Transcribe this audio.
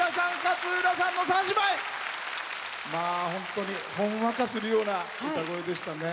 本当にほんわかするような歌声でしたね。